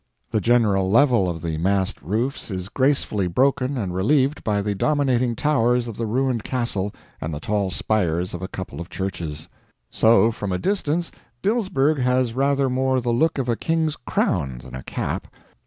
The general level of the massed roofs is gracefully broken and relieved by the dominating towers of the ruined castle and the tall spires of a couple of churches; so, from a distance Dilsberg has rather more the look of a king's crown than a cap.